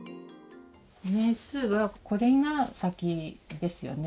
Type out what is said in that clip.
年数はこれが先ですよね